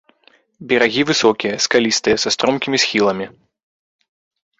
Берагі высокія, скалістыя, са стромкімі схіламі.